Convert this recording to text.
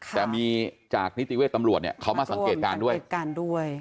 แต่มีจากนิติเวศตำรวจเขามาสังเกตการณ์ด้วย